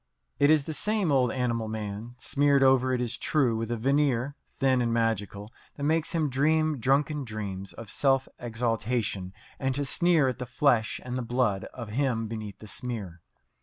It is the same old animal man, smeared over, it is true, with a veneer, thin and magical, that makes him dream drunken dreams of self exaltation and to sneer at the flesh and the blood of him beneath the smear.